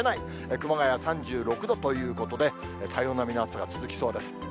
熊谷３６度ということで、体温並みの暑さが続きそうです。